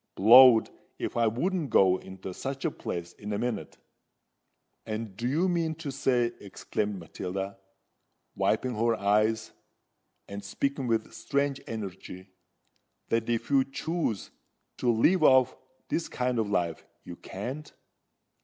Blowed if I wouldn't go into such a place in a minute!" "And do you mean to say," exclaimed Matilda, wiping her eyes, and speaking with strange energy, "that if you choose to leave off this kind of life, you can't?